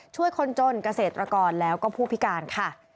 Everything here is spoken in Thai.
ช่วยคนจนเกษตรกรแล้วก็ผู้พิการค่ะ